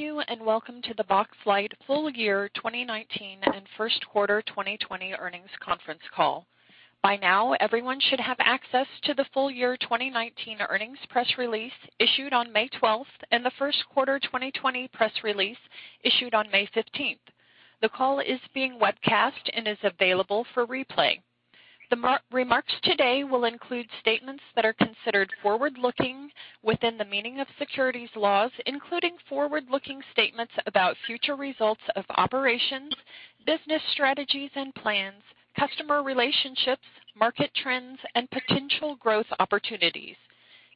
Thank you. Welcome to the Boxlight full year 2019 and first quarter 2020 earnings conference call. By now, everyone should have access to the full year 2019 earnings press release issued on May 12th and the first quarter 2020 press release issued on May 15th. The call is being webcast and is available for replay. The remarks today will include statements that are considered forward-looking within the meaning of securities laws, including forward-looking statements about future results of operations, business strategies and plans, customer relationships, market trends, and potential growth opportunities.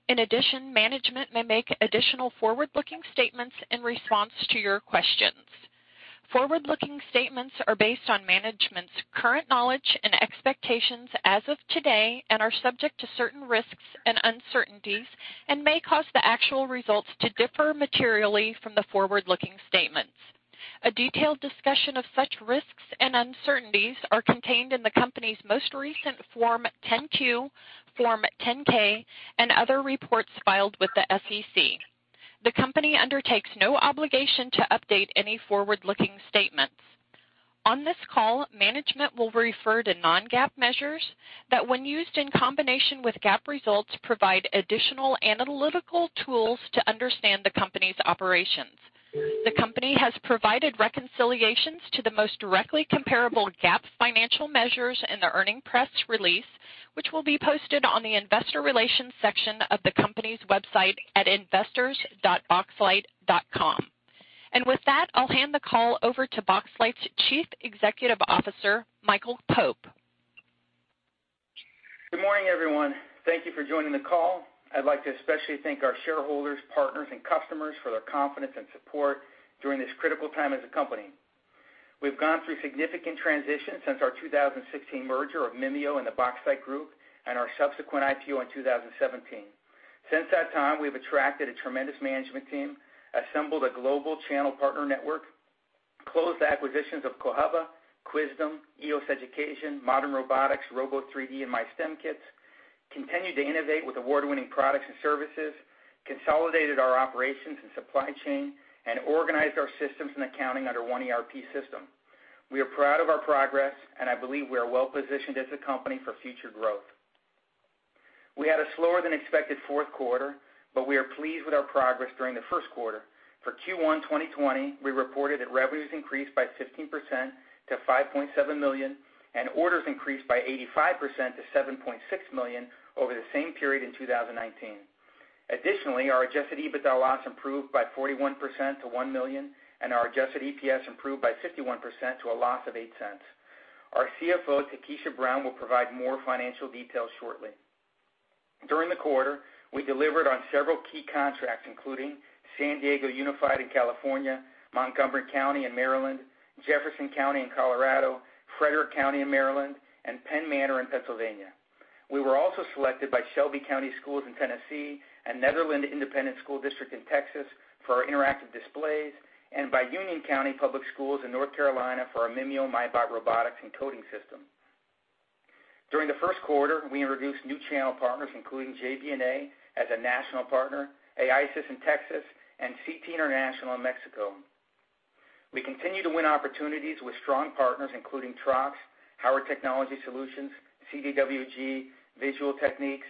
In addition, management may make additional forward-looking statements in response to your questions. Forward-looking statements are based on management's current knowledge and expectations as of today and are subject to certain risks and uncertainties and may cause the actual results to differ materially from the forward-looking statements. A detailed discussion of such risks and uncertainties are contained in the company's most recent Form 10-Q, Form 10-K, and other reports filed with the SEC. The company undertakes no obligation to update any forward-looking statements. On this call, management will refer to non-GAAP measures that when used in combination with GAAP results, provide additional analytical tools to understand the company's operations. The company has provided reconciliations to the most directly comparable GAAP financial measures in the earning press release, which will be posted on the investor relations section of the company's website at investors.boxlight.com. With that, I'll hand the call over to Boxlight's Chief Executive Officer, Michael Pope. Good morning, everyone. Thank you for joining the call. I'd like to especially thank our shareholders, partners, and customers for their confidence and support during this critical time as a company. We've gone through significant transitions since our 2016 merger of Mimio and the Boxlight Group and our subsequent IPO in 2017. Since that time, we've attracted a tremendous management team, assembled a global channel partner network, closed the acquisitions of Cohuba, Qwizdom, EOS Education, Modern Robotics, Robo 3D, and MyStemKits, continued to innovate with award-winning products and services, consolidated our operations and supply chain, and organized our systems and accounting under one ERP system. We are proud of our progress, I believe we are well-positioned as a company for future growth. We had a slower than expected fourth quarter, we are pleased with our progress during the first quarter. For Q1 2020, we reported that revenues increased by 15% to $5.7 million and orders increased by 85% to $7.6 million over the same period in 2019. Additionally, our adjusted EBITDA loss improved by 41% to $1 million and our adjusted EPS improved by 51% to a loss of $0.08. Our CFO, Takesha Brown, will provide more financial details shortly. During the quarter, we delivered on several key contracts, including San Diego Unified in California, Montgomery County in Maryland, Jefferson County in Colorado, Frederick County in Maryland, and Penn Manor in Pennsylvania. We were also selected by Shelby County Schools in Tennessee and Nederland Independent School District in Texas for our interactive displays and by Union County Public Schools in North Carolina for our Mimio MyBot Robotics and Coding System. During the first quarter, we introduced new channel partners, including JB&A as a national partner, AiSYS in Texas, and CT Internacional in Mexico. We continue to win opportunities with strong partners, including Trox, Howard Technology Solutions, CDW-G, Visual Techniques,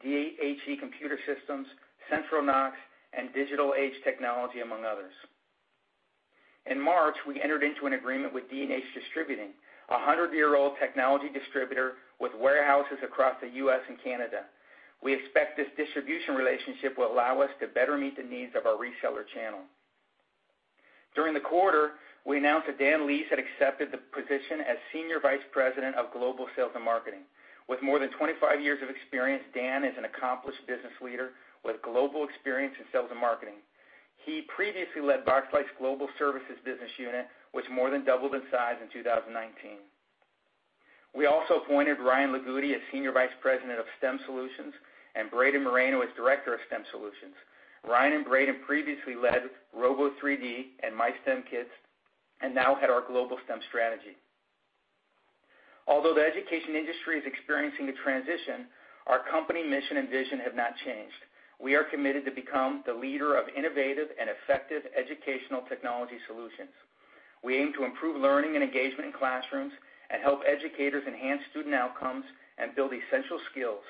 DHE Computer Systems, Central Knox, and Digital Age Technologies, among others. In March, we entered into an agreement with D&H Distributing, a 100-year-old technology distributor with warehouses across the U.S. and Canada. We expect this distribution relationship will allow us to better meet the needs of our reseller channel. During the quarter, we announced that Daniel Leis had accepted the position as Senior Vice President of Global Sales and Marketing. With more than 25 years of experience, Daniel is an accomplished business leader with global experience in sales and marketing. He previously led Boxlight's Global Services business unit, which more than doubled in size in 2019. We also appointed Ryan Legudi as Senior Vice President of STEM Solutions and Braydon Moreno as Director of STEM Solutions. Ryan and Braydon previously led Robo3D and MyStemKits and now head our global STEM strategy. Although the education industry is experiencing a transition, our company mission and vision have not changed. We are committed to become the leader of innovative and effective educational technology solutions. We aim to improve learning and engagement in classrooms and help educators enhance student outcomes and build essential skills.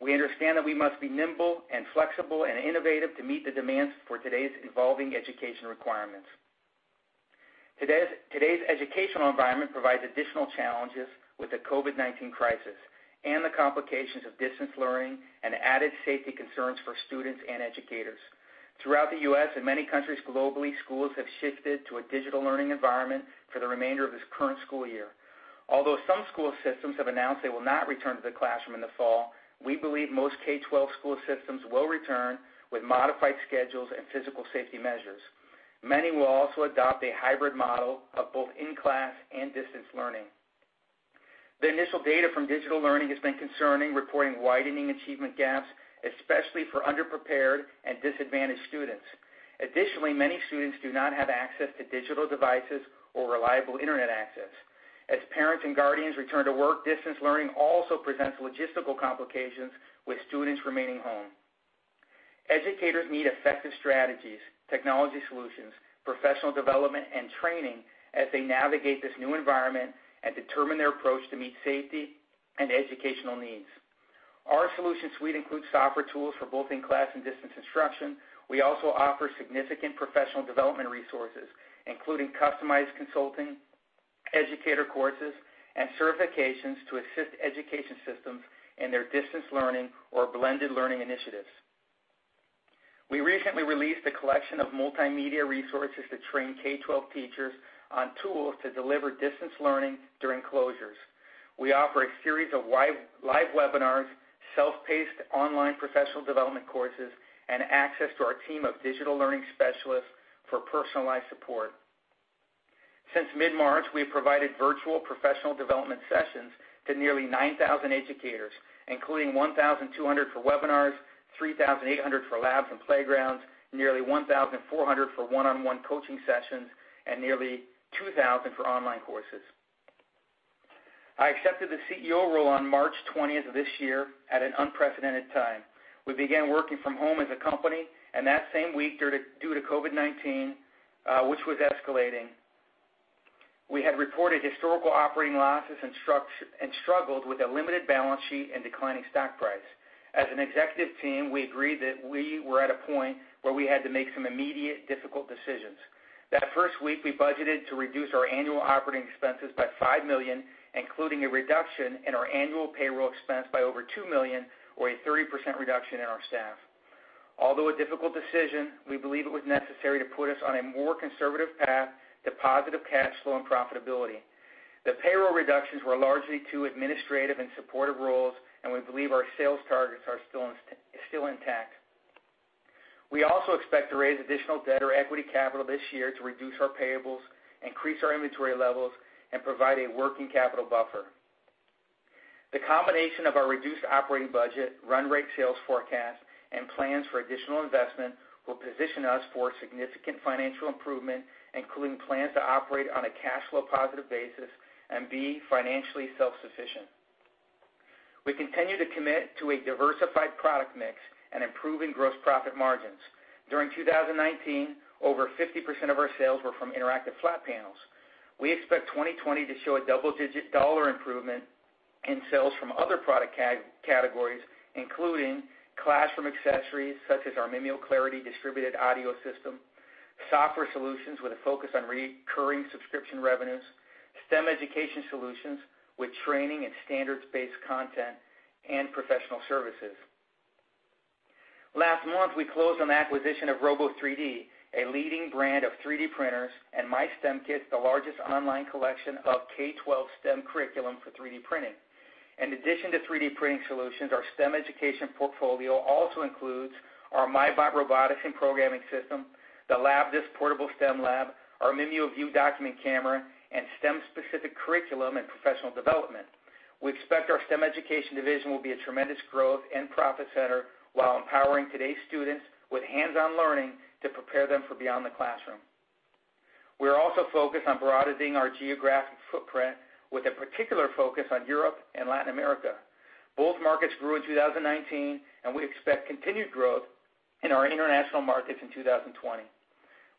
We understand that we must be nimble and flexible and innovative to meet the demands for today's evolving education requirements. Today's educational environment provides additional challenges with the COVID-19 crisis and the complications of distance learning and added safety concerns for students and educators. Throughout the U.S. and many countries globally, schools have shifted to a digital learning environment for the remainder of this current school year. Although some school systems have announced they will not return to the classroom in the fall, we believe most K-12 school systems will return with modified schedules and physical safety measures. Many will also adopt a hybrid model of both in-class and distance learning. The initial data from digital learning has been concerning, reporting widening achievement gaps, especially for underprepared and disadvantaged students. Additionally, many students do not have access to digital devices or reliable internet access. As parents and guardians return to work, distance learning also presents logistical complications with students remaining home. Educators need effective strategies, technology solutions, professional development, and training as they navigate this new environment and determine their approach to meet safety and educational needs. Our solution suite includes software tools for both in-class and distance instruction. We also offer significant professional development resources, including customized consulting, educator courses, and certifications to assist education systems in their distance learning or blended learning initiatives. We recently released a collection of multimedia resources to train K-12 teachers on tools to deliver distance learning during closures. We offer a series of live webinars, self-paced online professional development courses, and access to our team of digital learning specialists for personalized support. Since mid-March, we have provided virtual professional development sessions to nearly 9,000 educators, including 1,200 for webinars, 3,800 for labs and playgrounds, nearly 1,400 for one-on-one coaching sessions, and nearly 2,000 for online courses. I accepted the CEO role on March 20th of this year at an unprecedented time. We began working from home as a company, and that same week due to COVID-19, which was escalating, we had reported historical operating losses and struggled with a limited balance sheet and declining stock price. As an executive team, we agreed that we were at a point where we had to make some immediate, difficult decisions. That first week, we budgeted to reduce our annual operating expenses by $5 million, including a reduction in our annual payroll expense by over $2 million or a 30% reduction in our staff. Although a difficult decision, we believe it was necessary to put us on a more conservative path to positive cash flow and profitability. The payroll reductions were largely to administrative and supportive roles, and we believe our sales targets are still intact. We also expect to raise additional debt or equity capital this year to reduce our payables, increase our inventory levels, and provide a working capital buffer. The combination of our reduced operating budget, run rate sales forecast, and plans for additional investment will position us for significant financial improvement, including plans to operate on a cash flow positive basis and be financially self-sufficient. We continue to commit to a diversified product mix and improving gross profit margins. During 2019, over 50% of our sales were from interactive flat panels. We expect 2020 to show a double-digit dollar improvement in sales from other product categories, including classroom accessories such as our MimioClarity distributed audio system, software solutions with a focus on recurring subscription revenues, STEM education solutions with training and standards-based content, and professional services. Last month, we closed on the acquisition of Robo3D, a leading brand of 3D printers, and MyStemKits, the largest online collection of K-12 STEM curriculum for 3D printing. In addition to 3D printing solutions, our STEM education portfolio also includes our Mimio MyBot Robotics and Coding System, the Labdisc portable STEM lab, our MimioView document camera, and STEM-specific curriculum and professional development. We expect our STEM education division will be a tremendous growth and profit center while empowering today's students with hands-on learning to prepare them for beyond the classroom. We are also focused on broadening our geographic footprint with a particular focus on Europe and Latin America. Both markets grew in 2019, and we expect continued growth in our international markets in 2020.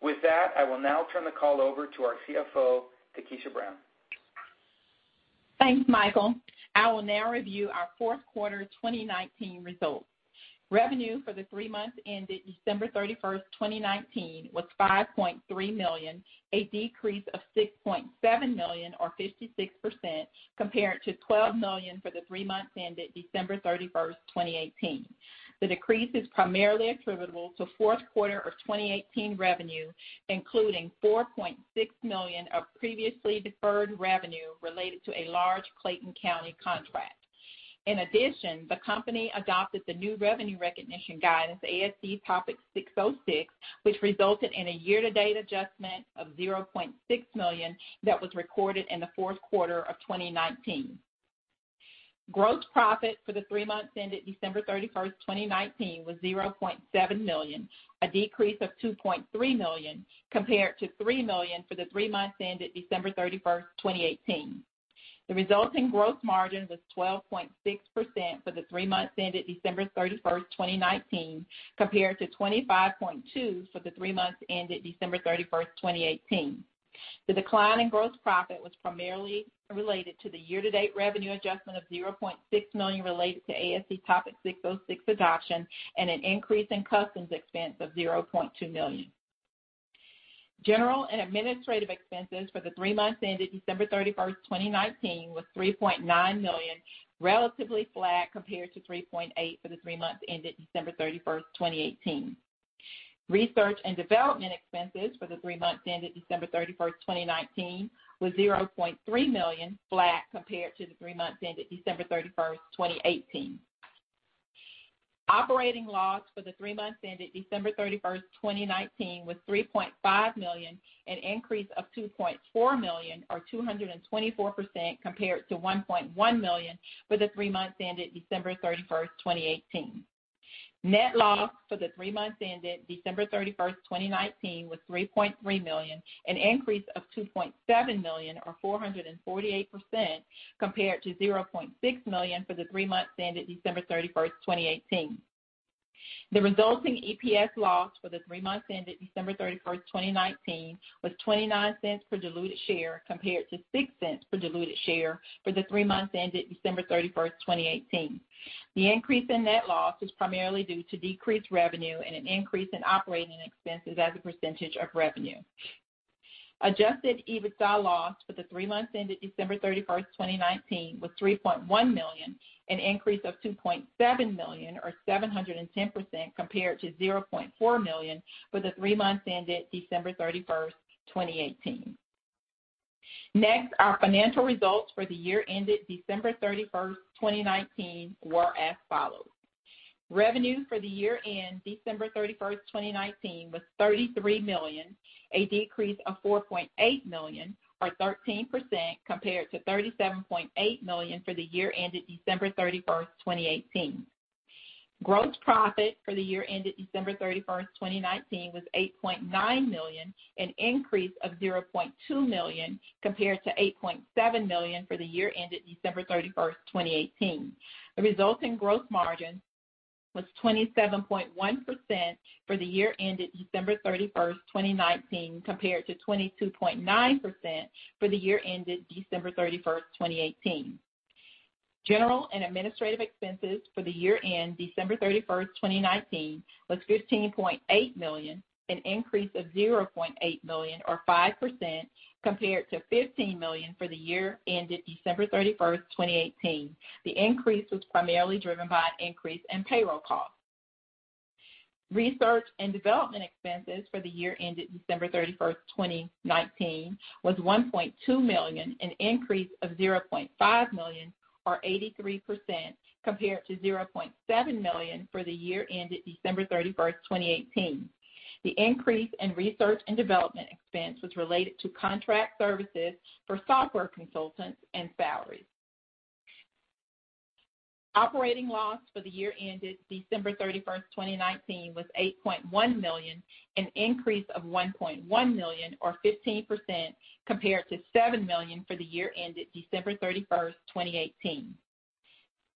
With that, I will now turn the call over to our CFO, Takesha Brown. Thanks, Michael. I will now review our fourth quarter 2019 results. Revenue for the three months ended December 31st, 2019, was $5.3 million, a decrease of $6.7 million or 56% compared to $12 million for the three months ended December 31st, 2018. The decrease is primarily attributable to fourth quarter of 2018 revenue, including $4.6 million of previously deferred revenue related to a large Clayton County contract. The company adopted the new revenue recognition guidance, ASC Topic 606, which resulted in a year-to-date adjustment of $0.6 million that was recorded in the fourth quarter of 2019. Gross profit for the three months ended December 31st, 2019, was $0.7 million, a decrease of $2.3 million compared to $3 million for the three months ended December 31st, 2018. The resulting gross margin was 12.6% for the three months ended December 31st, 2019, compared to 25.2% for the three months ended December 31st, 2018. The decline in gross profit was primarily related to the year-to-date revenue adjustment of $0.6 million related to ASC Topic 606 adoption and an increase in customs expense of $0.2 million. General and administrative expenses for the three months ended December 31st, 2019, was $3.9 million, relatively flat compared to $3.8 for the three months ended December 31st, 2018. Research and development expenses for the three months ended December 31st, 2019, was $0.3 million, flat compared to the three months ended December 31st, 2018. Operating loss for the three months ended December 31st, 2019, was $3.5 million, an increase of $2.4 million or 224% compared to $1.1 million for the three months ended December 31st, 2018. Net loss for the three months ended December 31st, 2019 was $3.3 million, an increase of $2.7 million, or 448%, compared to $0.6 million for the three months ended December 31st, 2018. The resulting EPS loss for the three months ended December 31st, 2019 was $0.29 per diluted share, compared to $0.06 per diluted share for the three months ended December 31st, 2018. The increase in net loss was primarily due to decreased revenue and an increase in operating expenses as a percentage of revenue. Adjusted EBITDA loss for the three months ended December 31st, 2019 was $3.1 million, an increase of $2.7 million or 710%, compared to $0.4 million for the three months ended December 31st, 2018. Our financial results for the year ended December 31st, 2019 were as follows. Revenue for the year ended December 31st, 2019 was $33 million, a decrease of $4.8 million or 13%, compared to $37.8 million for the year ended December 31st, 2018. Gross profit for the year ended December 31st, 2019 was $8.9 million, an increase of $0.2 million compared to $8.7 million for the year ended December 31st, 2018. The resulting growth margin was 27.1% for the year ended December 31st, 2019, compared to 22.9% for the year ended December 31st, 2018. General and administrative expenses for the year ended December 31st, 2019, was $15.8 million, an increase of $0.8 million or 5%, compared to $15 million for the year ended December 31st, 2018. The increase was primarily driven by an increase in payroll costs. Research and development expenses for the year ended December 31st, 2019 was $1.2 million, an increase of $0.5 million or 83%, compared to $0.7 million for the year ended December 31st, 2018. The increase in research and development expense was related to contract services for software consultants and salaries. Operating loss for the year ended December 31st, 2019, was $8.1 million, an increase of $1.1 million or 15%, compared to $7 million for the year ended December 31st, 2018.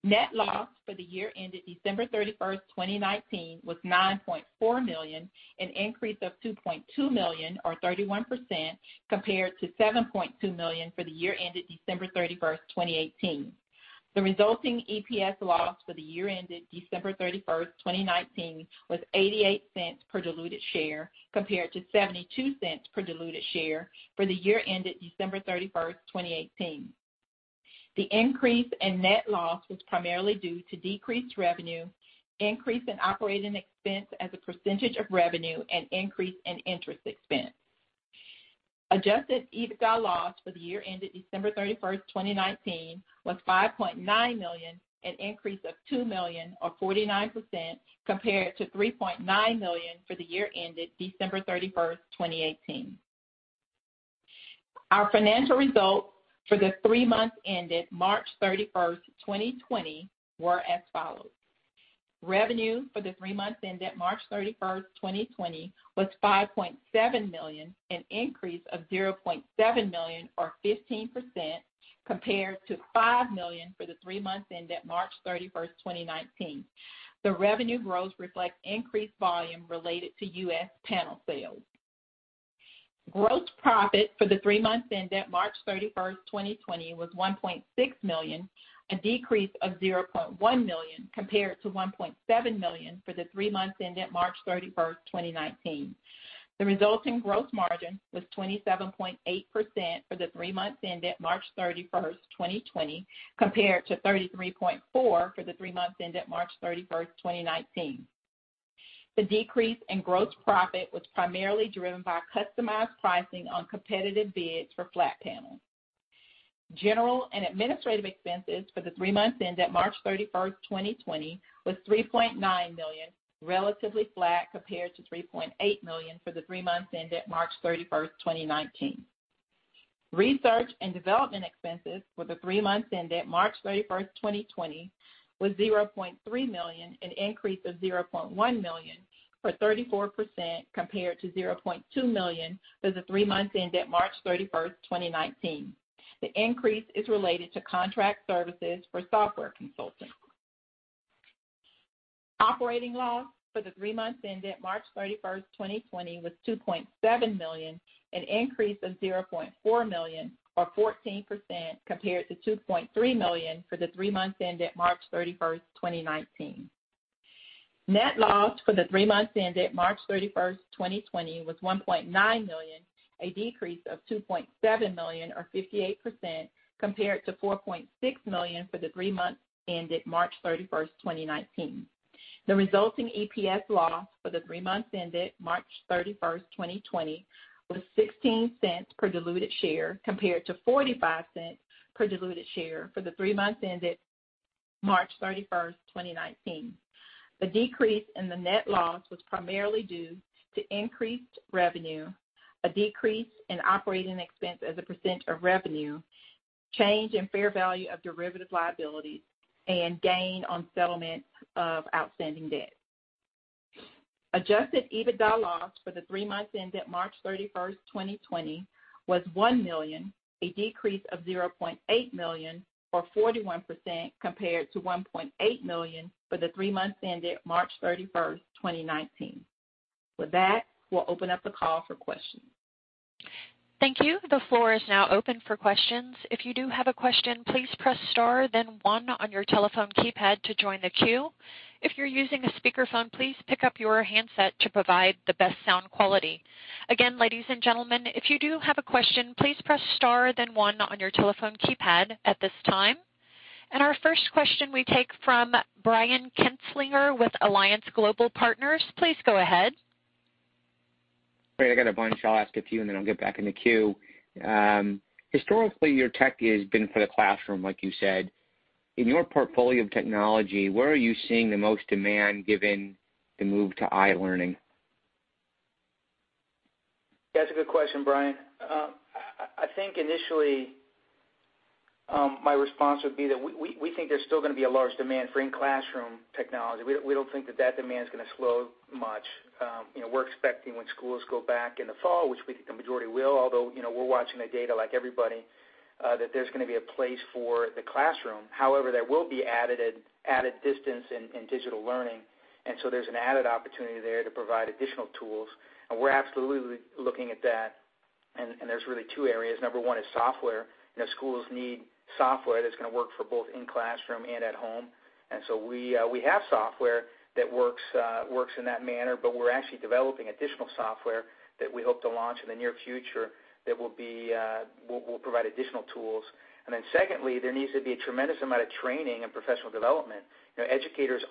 Net loss for the year ended December 31st, 2019 was $9.4 million, an increase of $2.2 million or 31%, compared to $7.2 million for the year ended December 31st, 2018. The resulting EPS loss for the year ended December 31st, 2019 was $0.88 per diluted share, compared to $0.72 per diluted share for the year ended December 31st, 2018. The increase in net loss was primarily due to decreased revenue, increase in operating expense as a percentage of revenue, and increase in interest expense. Adjusted EBITDA loss for the year ended December 31st, 2019 was $5.9 million, an increase of $2 million or 49%, compared to $3.9 million for the year ended December 31st, 2018. Our financial results for the three months ended March 31st, 2020 were as follows. Revenue for the three months ended March 31st, 2020 was $5.7 million, an increase of $0.7 million or 15%, compared to $5 million for the three months ended March 31st, 2019. The revenue growth reflects increased volume related to U.S. panel sales. Gross profit for the three months ended March 31st, 2020 was $1.6 million, a decrease of $0.1 million compared to $1.7 million for the three months ended March 31st, 2019. The resulting gross margin was 27.8% for the three months ended March 31st, 2020, compared to 33.4% for the three months ended March 31st, 2019. The decrease in gross profit was primarily driven by customized pricing on competitive bids for flat panels. General and administrative expenses for the three months ended March 31st, 2020 was $3.9 million, relatively flat compared to $3.8 million for the three months ended March 31st, 2019. Research and development expenses for the three months ended March 31st, 2020 was $0.3 million, an increase of $0.1 million or 34%, compared to $0.2 million for the three months ended March 31st, 2019. The increase is related to contract services for software consultants. Operating loss for the three months ended March 31st, 2020 was $2.7 million, an increase of $0.4 million or 14%, compared to $2.3 million for the three months ended March 31st, 2019. Net loss for the three months ended March 31st, 2020 was $1.9 million, a decrease of $2.7 million or 58%, compared to $4.6 million for the three months ended March 31st, 2019. The resulting EPS loss for the three months ended March 31st, 2020 was $0.16 per diluted share, compared to $0.45 per diluted share for the three months ended March 31st, 2019. The decrease in the net loss was primarily due to increased revenue, a decrease in operating expense as a % of revenue Change in fair value of derivative liabilities and gain on settlement of outstanding debt. Adjusted EBITDA loss for the three months ended March 31, 2020 was $1 million, a decrease of $0.8 million or 41%, compared to $1.8 million for the three months ended March 31, 2019. With that, we'll open up the call for questions. Thank you. The floor is now open for questions. If you do have a question, please press star then one on your telephone keypad to join the queue. If you're using a speakerphone, please pick up your handset to provide the best sound quality. Again, ladies and gentlemen, if you do have a question, please press star then one on your telephone keypad at this time. Our first question we take from Brian Kinstlinger with Alliance Global Partners. Please go ahead. Great. I got a bunch. I'll ask a few and then I'll get back in the queue. Historically, your tech has been for the classroom, like you said. In your portfolio of technology, where are you seeing the most demand given the move to e-learning? That's a good question, Brian. I think initially, my response would be that we think there's still going to be a large demand for in-classroom technology. We don't think that that demand is going to slow much. We're expecting when schools go back in the fall, which we think the majority will, although, we're watching the data like everybody, that there's going to be a place for the classroom. However, there will be added distance and digital learning. There's an added opportunity there to provide additional tools. We're absolutely looking at that. There's really two areas. Number one is software. Schools need software that's going to work for both in classroom and at home. We have software that works in that manner, but we're actually developing additional software that we hope to launch in the near future that will provide additional tools. Secondly, there needs to be a tremendous amount of training and professional development. Educators,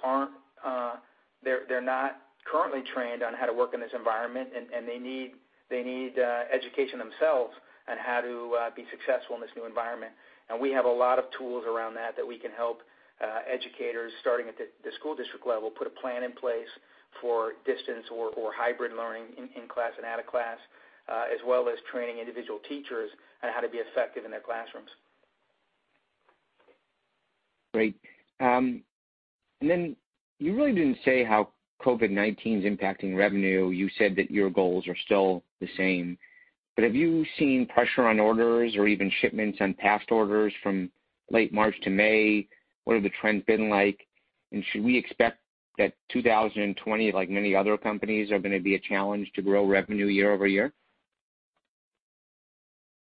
they're not currently trained on how to work in this environment, and they need education themselves on how to be successful in this new environment. We have a lot of tools around that that we can help educators starting at the school district level, put a plan in place for distance or hybrid learning in class and out of class, as well as training individual teachers on how to be effective in their classrooms. Great. You really didn't say how COVID-19 is impacting revenue. You said that your goals are still the same. Have you seen pressure on orders or even shipments on past orders from late March to May? What have the trends been like? Should we expect that 2020, like many other companies, are going to be a challenge to grow revenue year-over-year?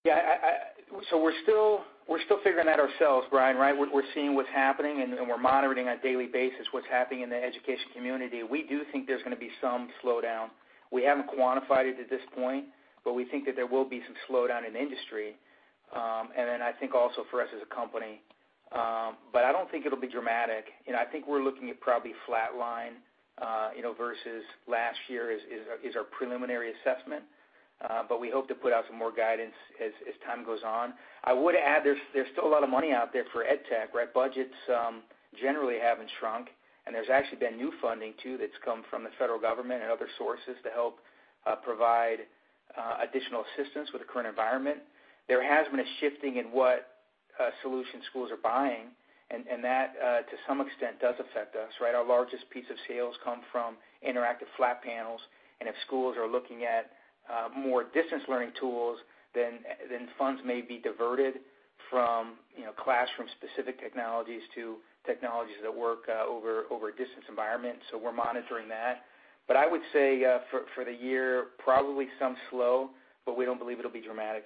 Yeah. We're still figuring that ourselves, Brian. We're seeing what's happening, and we're monitoring on a daily basis what's happening in the education community. We do think there's going to be some slowdown. We haven't quantified it at this point, but we think that there will be some slowdown in industry. I think also for us as a company. I don't think it'll be dramatic. I think we're looking at probably flatline versus last year is our preliminary assessment. We hope to put out some more guidance as time goes on. I would add, there's still a lot of money out there for ed tech. Budgets generally haven't shrunk, and there's actually been new funding, too, that's come from the federal government and other sources to help provide additional assistance with the current environment. There has been a shifting in what solution schools are buying, that to some extent, does affect us. Our largest piece of sales come from interactive flat panels, if schools are looking at more distance learning tools, funds may be diverted from classroom-specific technologies to technologies that work over a distance environment. We're monitoring that. I would say for the year, probably some slow, we don't believe it'll be dramatic.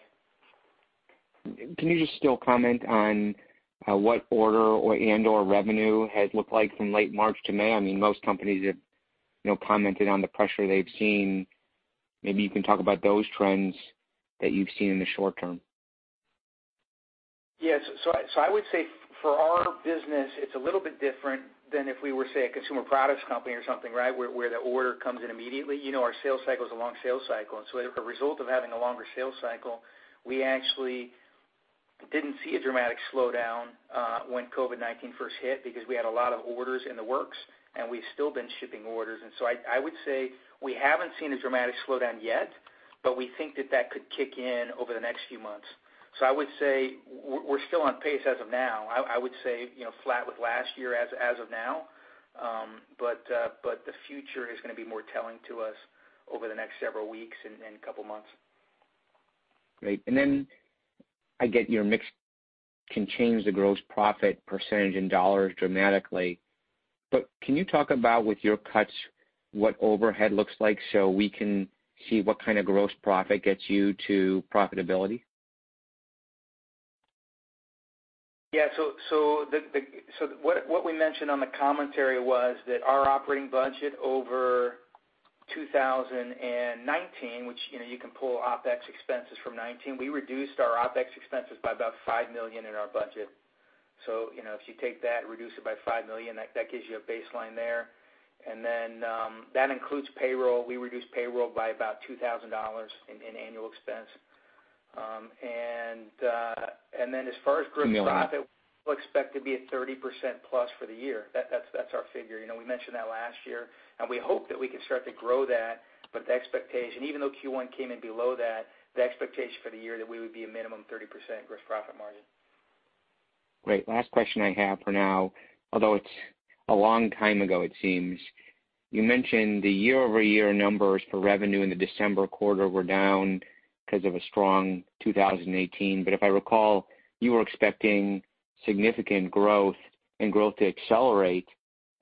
Can you just still comment on what order and/or revenue has looked like from late March to May? Most companies have commented on the pressure they've seen. Maybe you can talk about those trends that you've seen in the short term. Yes. I would say for our business, it's a little bit different than if we were, say, a consumer products company or something where the order comes in immediately. Our sales cycle is a long sales cycle, as a result of having a longer sales cycle, we actually didn't see a dramatic slowdown when COVID-19 first hit because we had a lot of orders in the works, and we've still been shipping orders. I would say we haven't seen a dramatic slowdown yet, but we think that that could kick in over the next few months. I would say we're still on pace as of now. I would say flat with last year as of now. The future is going to be more telling to us over the next several weeks and couple months. Great. I get your mix can change the gross profit percentage in dollars dramatically. Can you talk about with your cuts, what overhead looks like so we can see what kind of gross profit gets you to profitability? Yeah. What we mentioned on the commentary was that our operating budget over 2019, which you can pull OPEX expenses from 2019. We reduced our OPEX expenses by about $5 million in our budget. If you take that, reduce it by $5 million, that gives you a baseline there. That includes payroll. We reduced payroll by about $2,000 in annual expense. As far as gross profit, we'll expect to be at 30% plus for the year. That's our figure. We mentioned that last year, and we hope that we can start to grow that, but the expectation, even though Q1 came in below that, the expectation for the year that we would be a minimum 30% gross profit margin. Great. Last question I have for now, although it's a long time ago, it seems. You mentioned the year-over-year numbers for revenue in the December quarter were down because of a strong 2018. If I recall, you were expecting significant growth and growth to accelerate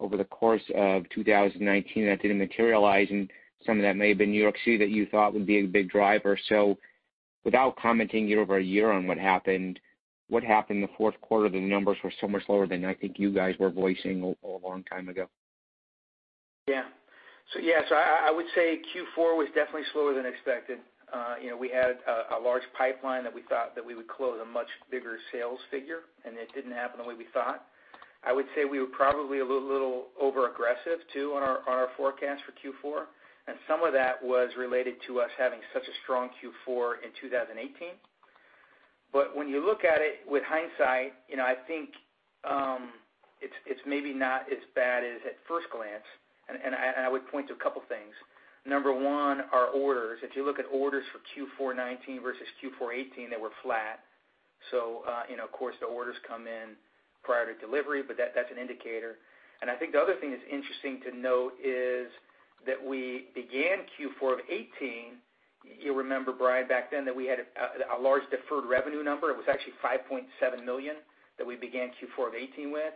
over the course of 2019. That didn't materialize, and some of that may have been New York City that you thought would be a big driver. Without commenting year-over-year on what happened, what happened in the fourth quarter, the numbers were so much lower than I think you guys were voicing a long time ago. Yeah. I would say Q4 was definitely slower than expected. We had a large pipeline that we thought that we would close a much bigger sales figure, and it didn't happen the way we thought. I would say we were probably a little overaggressive, too, on our forecast for Q4, and some of that was related to us having such a strong Q4 in 2018. When you look at it with hindsight, I think it's maybe not as bad as at first glance, and I would point to a couple things. Number one, our orders. If you look at orders for Q4 2019 versus Q4 2018, they were flat. Of course, the orders come in prior to delivery, but that's an indicator. I think the other thing that's interesting to note is that we began Q4 of 2018, you'll remember, Brian, back then that we had a large deferred revenue number. It was actually $5.7 million that we began Q4 of 2018 with.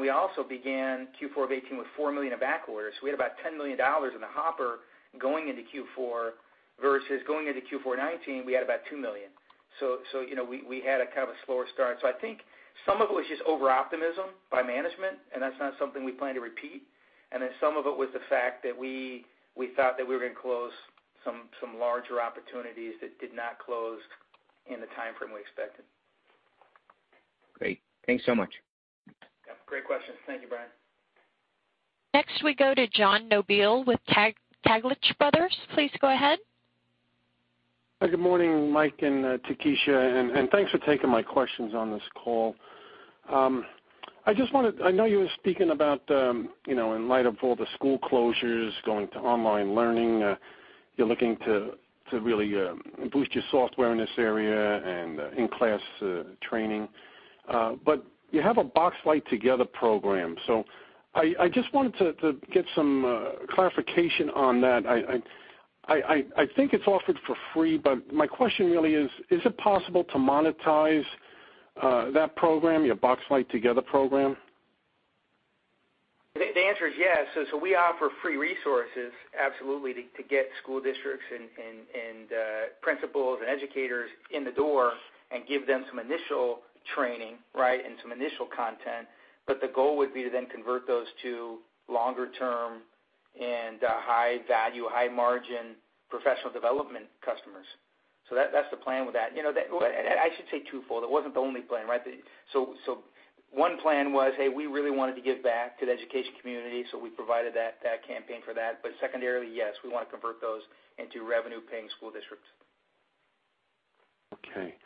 We also began Q4 of 2018 with $4 million of back orders. We had about $10 million in the hopper going into Q4 versus going into Q4 2019, we had about $2 million. We had a kind of a slower start. I think some of it was just over-optimism by management, and that's not something we plan to repeat. Some of it was the fact that we thought that we were going to close some larger opportunities that did not close in the timeframe we expected. Great. Thanks so much. Yeah. Great questions. Thank you, Brian. Next we go to John Nobile with Taglich Brothers. Please go ahead. Good morning, Mike and Takesha, thanks for taking my questions on this call. I know you were speaking about in light of all the school closures going to online learning, you're looking to really boost your software in this area and in-class training. You have a Boxlight Together program. I just wanted to get some clarification on that. I think it's offered for free, my question really is it possible to monetize that program, your Boxlight Together program? The answer is yes. We offer free resources, absolutely, to get school districts and principals and educators in the door and give them some initial training, right, and some initial content. The goal would be to convert those to longer term and high value, high margin professional development customers. That's the plan with that. I should say twofold. It wasn't the only plan, right? One plan was, hey, we really wanted to give back to the education community, so we provided that campaign for that. Secondarily, yes, we want to convert those into revenue-paying school districts. Okay.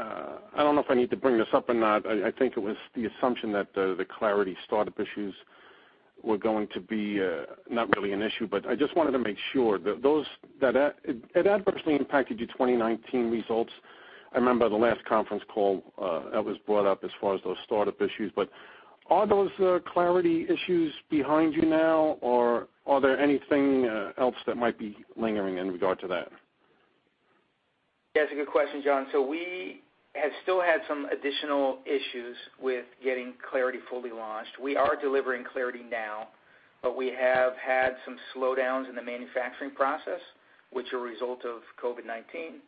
I don't know if I need to bring this up or not. I think it was the assumption that the Clarity startup issues were going to be not really an issue, but I just wanted to make sure. It adversely impacted your 2019 results. I remember the last conference call that was brought up as far as those startup issues. Are those Clarity issues behind you now, or are there anything else that might be lingering in regard to that? That's a good question, John. We have still had some additional issues with getting Clarity fully launched. We are delivering Clarity now, but we have had some slowdowns in the manufacturing process, which are a result of COVID-19.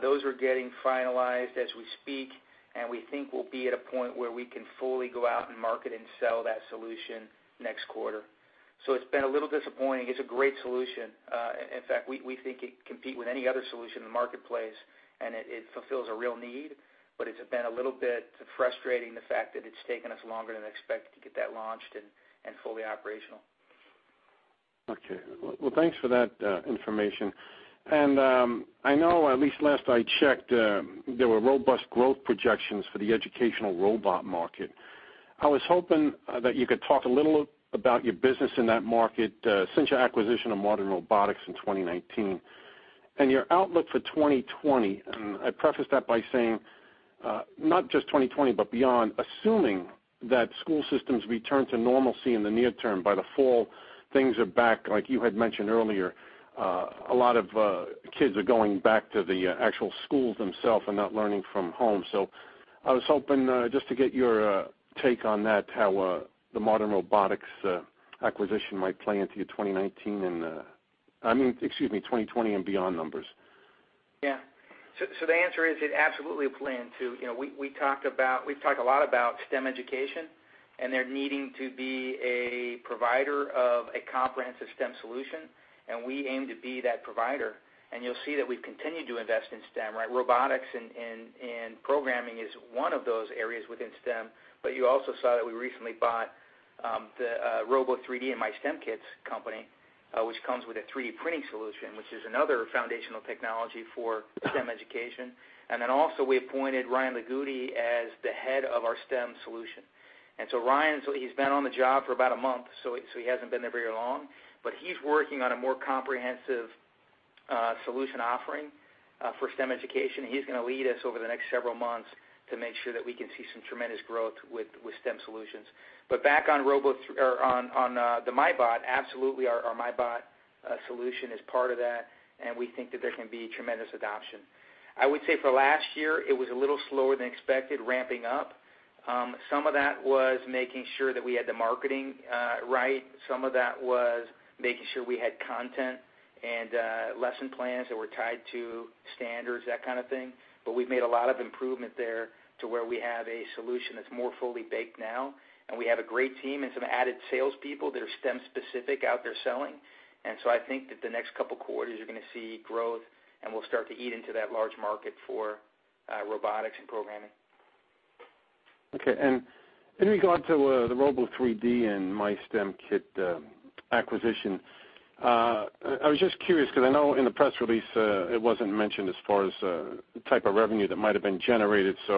Those are getting finalized as we speak, and we think we'll be at a point where we can fully go out and market and sell that solution next quarter. It's been a little disappointing. It's a great solution. In fact, we think it can compete with any other solution in the marketplace, and it fulfills a real need, but it's been a little bit frustrating, the fact that it's taken us longer than expected to get that launched and fully operational. Okay. Well, thanks for that information. I know at least last I checked, there were robust growth projections for the educational robot market. I was hoping that you could talk a little about your business in that market since your acquisition of Modern Robotics in 2019 and your outlook for 2020. I preface that by saying not just 2020, but beyond, assuming that school systems return to normalcy in the near term, by the fall, things are back, like you had mentioned earlier. A lot of kids are going back to the actual schools themselves and not learning from home. I was hoping just to get your take on that, how the Modern Robotics acquisition might play into your 2019, I mean, excuse me, 2020 and beyond numbers. Yeah. The answer is it absolutely will play into. We've talked a lot about STEM education and there needing to be a provider of a comprehensive STEM solution, and we aim to be that provider. You'll see that we've continued to invest in STEM, right? Robotics and programming is one of those areas within STEM. You also saw that we recently bought the Robo3D and MyStemKits companyWhich comes with a 3D printing solution, which is another foundational technology for STEM education. Also we appointed Ryan Lagudi as the head of our STEM solution. Ryan, he's been on the job for about a month, so he hasn't been there very long, but he's working on a more comprehensive solution offering for STEM education. He's going to lead us over the next several months to make sure that we can see some tremendous growth with STEM solutions. Back on the MyBot, absolutely our MyBot solution is part of that, and we think that there can be tremendous adoption. I would say for last year it was a little slower than expected ramping up. Some of that was making sure that we had the marketing right. Some of that was making sure we had content and lesson plans that were tied to standards, that kind of thing. We've made a lot of improvement there to where we have a solution that's more fully baked now, and we have a great team and some added salespeople that are STEM specific out there selling. I think that the next couple of quarters you're going to see growth and we'll start to eat into that large market for robotics and programming. Okay, in regard to the Robo 3D and MyStemKit acquisition, I was just curious because I know in the press release it wasn't mentioned as far as the type of revenue that might have been generated. I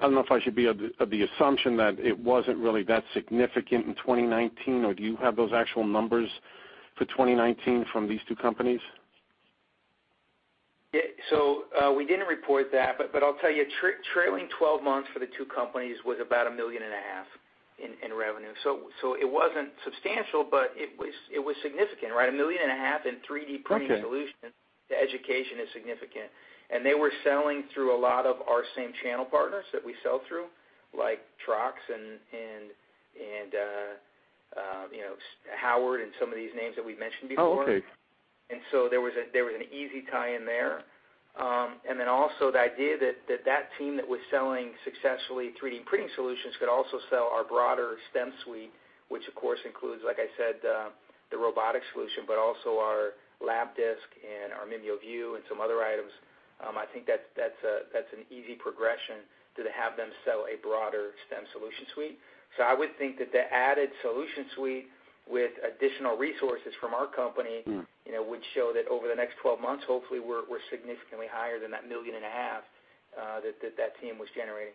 don't know if I should be of the assumption that it wasn't really that significant in 2019, or do you have those actual numbers for 2019 from these two companies? We didn't report that, but I'll tell you, trailing 12 months for the two companies was about a million and a half in revenue. It wasn't substantial, but it was significant, right? A million and a half in 3D printing solution to education is significant. They were selling through a lot of our same channel partners that we sell through, like Trox and Howard and some of these names that we've mentioned before. Oh, okay. There was an easy tie in there. Also the idea that that team that was selling successfully 3D printing solutions could also sell our broader STEM suite, which of course includes, like I said, the robotic solution, but also our Labdisc and our MimioView and some other items. I think that's an easy progression to have them sell a broader STEM solution suite. I would think that the added solution suite with additional resources from our company would show that over the next 12 months, hopefully we're significantly higher than that million and a half dollars that that team was generating.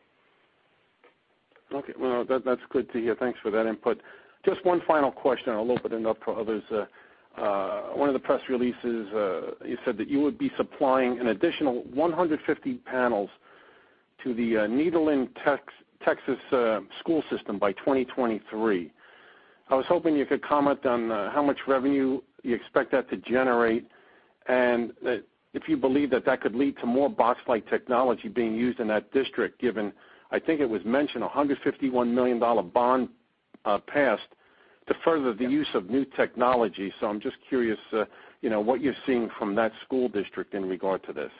Okay. Well, that's good to hear. Thanks for that input. Just one final question, I'll open it up for others. One of the press releases you said that you would be supplying an additional 150 panels to the Needville Texas school system by 2023. I was hoping you could comment on how much revenue you expect that to generate and if you believe that that could lead to more Boxlight technology being used in that district, given, I think it was mentioned, $151 million bond passed to further the use of new technology. I'm just curious what you're seeing from that school district in regard to this.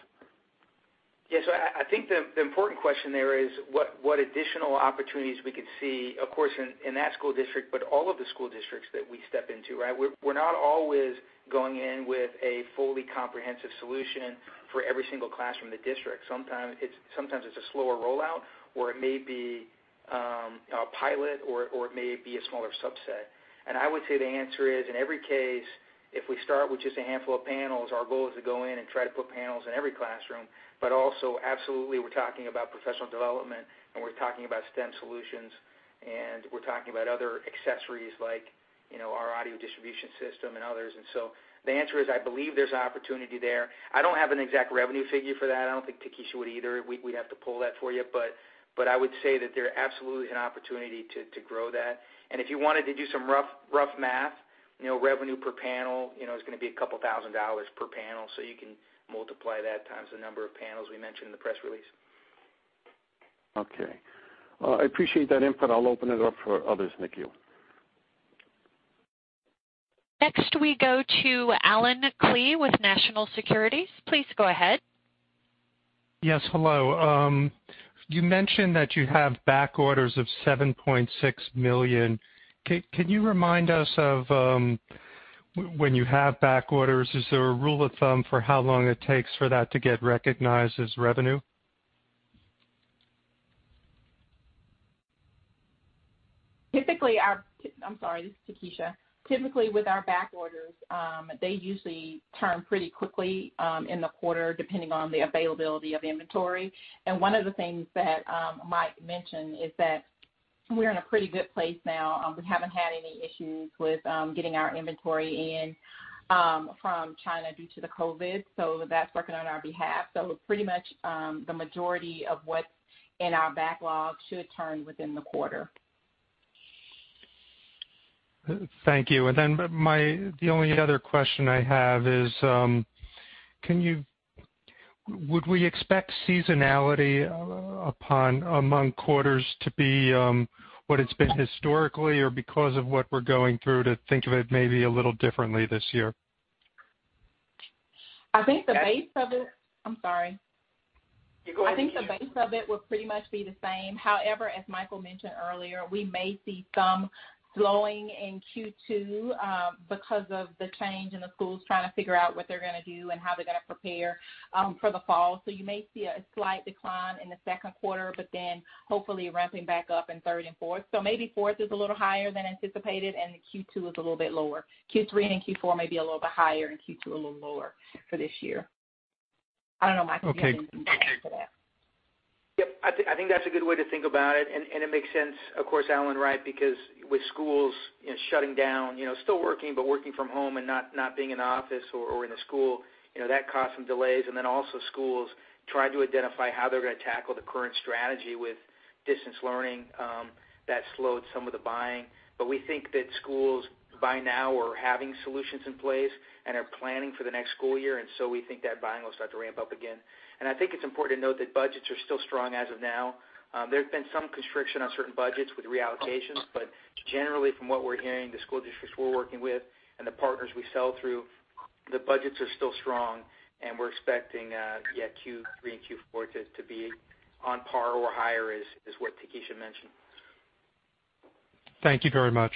Yeah. I think the important question there is what additional opportunities we could see, of course, in that school district, but all of the school districts that we step into, right? We're not always going in with a fully comprehensive solution for every single classroom in the district. Sometimes it's a slower rollout, or it may be a pilot, or it may be a smaller subset. I would say the answer is, in every case, if we start with just a handful of panels, our goal is to go in and try to put panels in every classroom. Also, absolutely, we're talking about professional development, and we're talking about STEM solutions, and we're talking about other accessories like our audio distribution system and others. The answer is, I believe there's an opportunity there. I don't have an exact revenue figure for that. I don't think Takesha would either. We'd have to pull that for you. I would say that there absolutely is an opportunity to grow that. If you wanted to do some rough math, revenue per panel is going to be a couple of thousand dollars per panel. You can multiply that times the number of panels we mentioned in the press release. Okay. I appreciate that input. I'll open it up for others, Nikki. Next we go to Allen Klee with National Securities. Please go ahead. Yes, hello. You mentioned that you have back orders of $7.6 million. Can you remind us of when you have back orders, is there a rule of thumb for how long it takes for that to get recognized as revenue? I'm sorry. This is Takesha. Typically with our back orders, they usually turn pretty quickly in the quarter, depending on the availability of inventory. One of the things that Michael mentioned is that we're in a pretty good place now. We haven't had any issues with getting our inventory in from China due to the COVID. That's working on our behalf. Pretty much the majority of what's in our backlog should turn within the quarter. Thank you. Then the only other question I have is, would we expect seasonality among quarters to be what it's been historically or because of what we're going through to think of it maybe a little differently this year? I'm sorry. You go ahead, Takesha. I think the base of it will pretty much be the same. However, as Michael mentioned earlier, we may see some slowing in Q2 because of the change in the schools trying to figure out what they're going to do and how they're going to prepare for the fall. You may see a slight decline in the second quarter, but then hopefully ramping back up in third and fourth. Maybe fourth is a little higher than anticipated, and the Q2 is a little bit lower. Q3 and Q4 may be a little bit higher, and Q2 a little lower for this year. I don't know, Michael, if you have anything to add to that. Yep. I think that's a good way to think about it. It makes sense, of course, Allen, right? Because with schools shutting down, still working, but working from home and not being in the office or in a school, that caused some delays. Then also schools trying to identify how they're going to tackle the current strategy with distance learning. That slowed some of the buying. We think that schools by now are having solutions in place and are planning for the next school year. So we think that buying will start to ramp up again. I think it's important to note that budgets are still strong as of now. There's been some constriction on certain budgets with reallocations, but generally, from what we're hearing, the school districts we're working with and the partners we sell through, the budgets are still strong, and we're expecting, yeah, Q3 and Q4 to be on par or higher, as what Takesha mentioned. Thank you very much.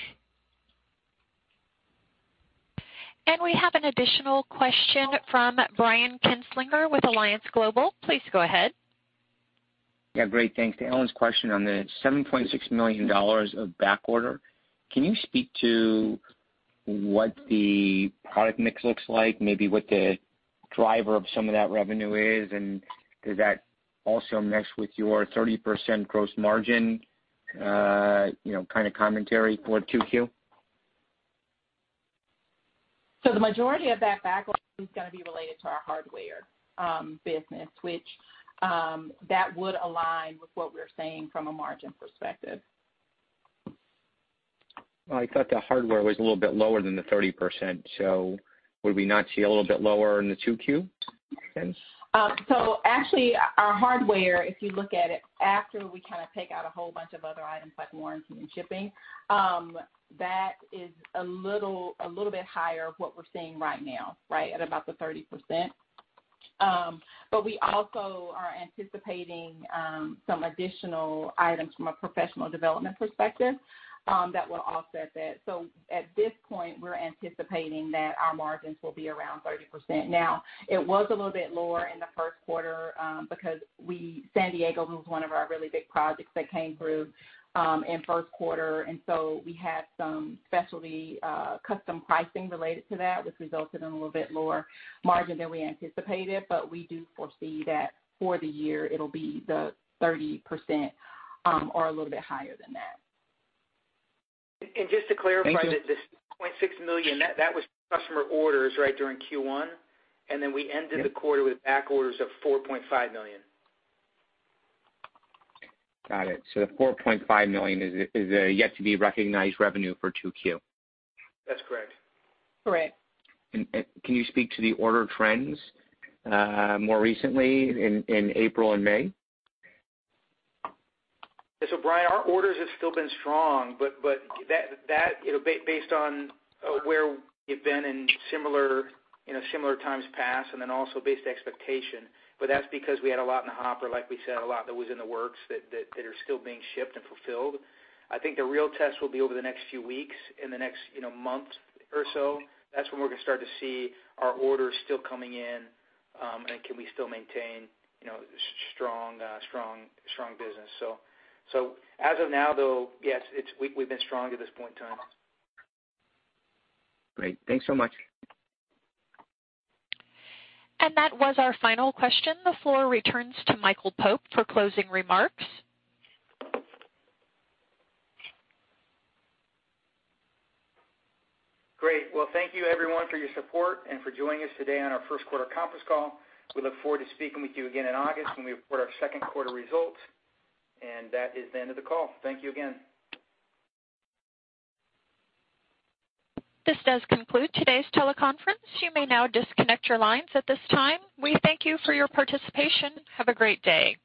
We have an additional question from Brian Kinstlinger with Alliance Global. Please go ahead. Yeah, great. Thanks. To Allen's question on the $7.6 million of back order, can you speak to what the product mix looks like, maybe what the driver of some of that revenue is? Does that also mesh with your 30% gross margin kind of commentary for 2Q? The majority of that backlog is going to be related to our hardware business, which that would align with what we're saying from a margin perspective. I thought the hardware was a little bit lower than the 30%. Would we not see a little bit lower in the 2Q then? Actually, our hardware, if you look at it after we kind of take out a whole bunch of other items like warranty and shipping, that is a little bit higher of what we're seeing right now, right at about the 30%. We also are anticipating some additional items from a professional development perspective that will offset that. At this point, we're anticipating that our margins will be around 30%. It was a little bit lower in the first quarter because San Diego moved one of our really big projects that came through in first quarter, and so we had some specialty custom pricing related to that, which resulted in a little bit lower margin than we anticipated. We do foresee that for the year it'll be the 30% or a little bit higher than that. Just to clarify that this $7.6 million, that was customer orders, right, during Q1, then we ended the quarter with back orders of $4.5 million. Got it. The $4.5 million is a yet-to-be-recognized revenue for 2Q. That's correct. Correct. Can you speak to the order trends more recently in April and May? Brian, our orders have still been strong, but based on where we've been in similar times past and then also based expectation. That's because we had a lot in the hopper, like we said, a lot that was in the works that are still being shipped and fulfilled. I think the real test will be over the next few weeks, in the next month or so. That's when we're going to start to see are orders still coming in and can we still maintain strong business. As of now, though, yes, we've been strong at this point in time. Great. Thanks so much. That was our final question. The floor returns to Michael Pope for closing remarks. Great. Well, thank you everyone for your support and for joining us today on our first quarter conference call. We look forward to speaking with you again in August when we report our second quarter results. That is the end of the call. Thank you again. This does conclude today's teleconference. You may now disconnect your lines at this time. We thank you for your participation. Have a great day.